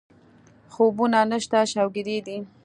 خوبونه نشته شوګېري دي